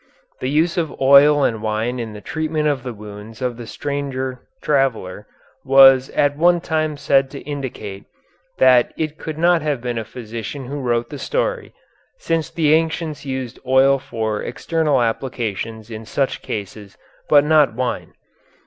The use of oil and wine in the treatment of the wounds of the stranger traveller was at one time said to indicate that it could not have been a physician who wrote the story, since the ancients used oil for external applications in such cases but not wine.